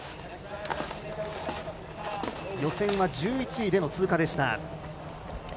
予選は１１位での通過でした。